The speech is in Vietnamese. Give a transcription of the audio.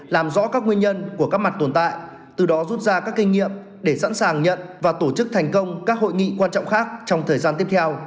làm rõ các nguyên nhân của các mặt tồn tại từ đó rút ra các kinh nghiệm để sẵn sàng nhận và tổ chức thành công các hội nghị quan trọng khác trong thời gian tiếp theo